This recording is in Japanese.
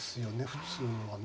普通はね。